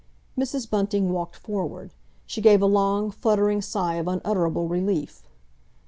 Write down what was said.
Mrs. Bunting walked forward. She gave a long, fluttering sigh of unutterable relief.